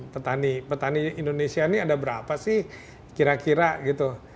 petani petani indonesia ini ada berapa sih kira kira gitu